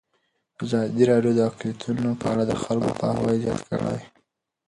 ازادي راډیو د اقلیتونه په اړه د خلکو پوهاوی زیات کړی.